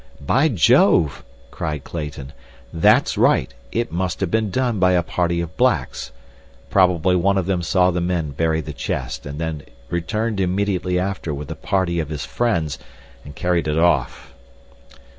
"By jove!" cried Clayton. "That's right. It must have been done by a party of blacks. Probably one of them saw the men bury the chest and then returned immediately after with a party of his friends, and carried it off."